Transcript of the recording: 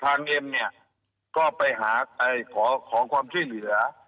เอ็มเนี่ยก็ไปหาขอความช่วยเหลือ